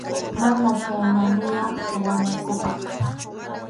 Mana chhayna niraq suwanankupaq.